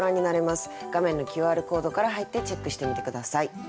画面のＱＲコードから入ってチェックしてみて下さい。